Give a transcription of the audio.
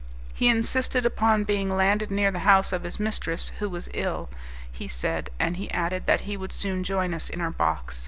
He insisted upon being landed near the house of his mistress, who was ill, he said, and he added that he would soon join us in our box.